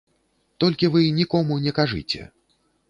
Толькі вы нікому не кажыце.